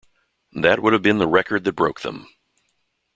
That would have been the record that broke them.